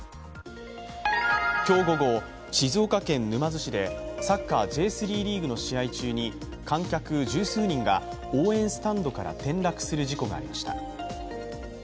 今日午後、静岡県沼津市でサッカーＪ３リーグの試合中に観客十数人が応援スタンドから転落する事故がありました。